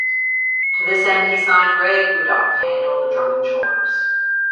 To this end, he signed Ray Bauduc to handle the drumming chores.